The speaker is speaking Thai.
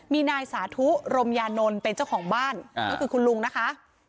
มีนายสาธุรมยานนท์เป็นเจ้าของบ้านก็คือคุณลุงนะคะ